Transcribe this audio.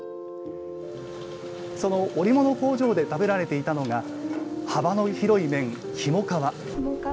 その織物工場で食べられていたのが幅の広い麺、「ひもかわ」。